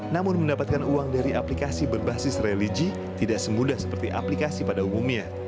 namun mendapatkan uang dari aplikasi berbasis religi tidak semudah seperti aplikasi pada umumnya